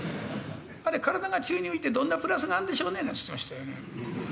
「あれ体が宙に浮いてどんなプラスがあんでしょうね？」なんて言ってましたよね。